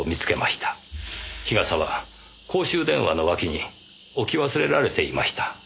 日傘は公衆電話の脇に置き忘れられていました。